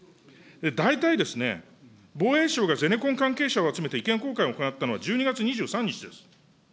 大体ですね、防衛省がゼネコン関係者を集めて意見交換を行ったのは１２月２３日です。